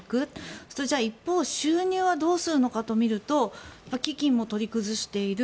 そうすると一方収入はどうするのかと見ると基金も取り崩している。